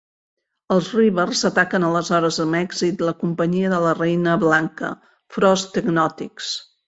Els Reavers ataquen aleshores amb èxit la companyia de la Reina Blanca, Frost Technotics.